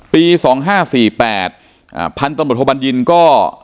ปีสองห้าสี่แปดอ่าพันธบทโมโทบันยินก็